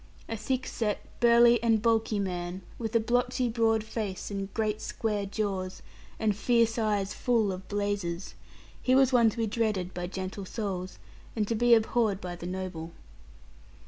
A thick set, burly, and bulky man, with a blotchy broad face, and great square jaws, and fierce eyes full of blazes; he was one to be dreaded by gentle souls, and to be abhorred by the noble.